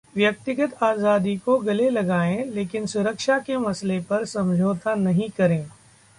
व्यक्तिगत आजादी को गले लगाएं, लेकिन सुरक्षा के मसले पर समझौता नहीं करें